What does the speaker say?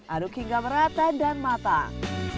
aduk hingga merata dan matang